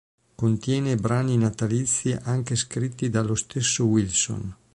Contiene brani natalizi anche scritti dallo stesso Wilson.